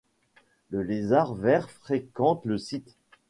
Le Lézard vert fréquente le site.